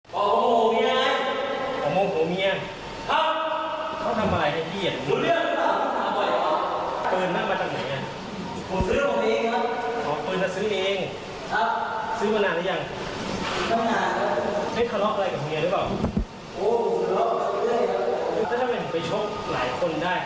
อ๋อปืนหลังมาจากไหนอ่ะ